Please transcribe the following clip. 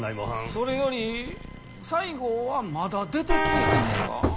それより西郷はまだ出てきぃひんのか？